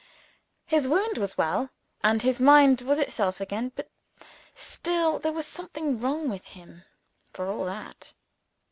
His wound was well, and his mind was itself again. But still there was something wrong with him, for all that.